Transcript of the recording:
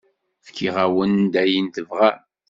Fkiɣ-awen-d ayen tebɣam.